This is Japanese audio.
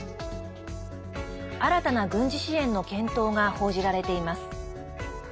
新たな軍事支援の検討が報じられています。